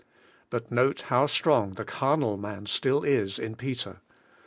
But note how strong the carnal man still is in Peter.